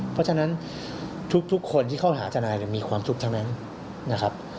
เพราะฉะนั้นทุกคนที่เข้าหาจันทรายมีความสุขทั้งนั้น